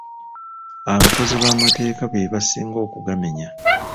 Abakozi b'amateeka be basinga okugamenya.